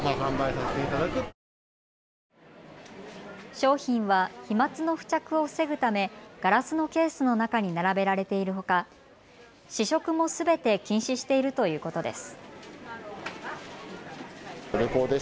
商品は飛まつの付着を防ぐためガラスのケースの中に並べられているほか試食もすべて禁止しているということです。